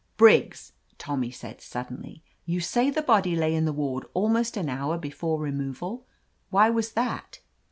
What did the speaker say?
"Briggs," Tommy said suddenly, "you say the body lay in the ward almost an hour before removal. Why was that